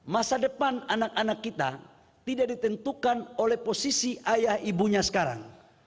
masa depan anak anak kita tidak ditentukan oleh posisi ayah ibunya sekarang